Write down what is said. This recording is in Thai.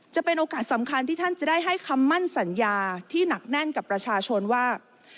จะเป็นโอกาสสำคัญที่ท่านจะได้ให้คำมั่นสัญญาที่หนักแน่นกับประชาชนว่า